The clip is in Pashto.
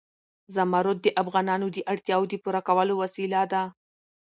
زمرد د افغانانو د اړتیاوو د پوره کولو وسیله ده.